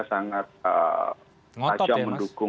sangat ajar mendukung